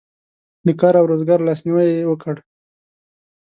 د کار او روزګار لاسنیوی یې وکړ.